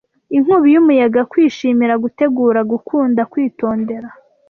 Inkubi y'umuyaga, kwishimira, gutegura, gukunda, kwitondera,